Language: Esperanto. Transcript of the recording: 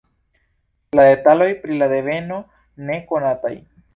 La detaloj pri la deveno ne konataj.